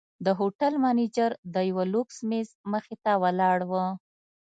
د هوټل منیجر د یوه لوکس میز مخې ته ولاړ و.